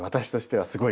はい。